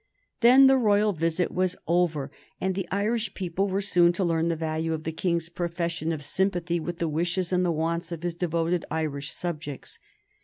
Then the royal visit was over, and the Irish people were soon to learn the value of the King's profession of sympathy with the wishes and the wants of his devoted Irish subjects.